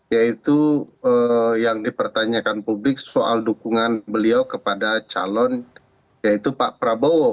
yaitu yang dipertanyakan publik soal dukungan beliau kepada calon yaitu pak prabowo